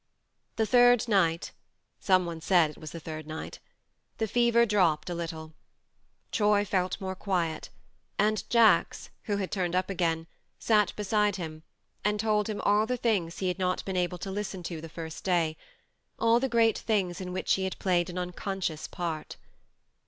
The third night (some one said it was the third night) the fever dropped a little. Troy felt more quiet, and Jacks, who had turned up again, sat beside him, and told him all the things he had not been able to listen to the first day ah 1 the great things in which he had played an unconscious part.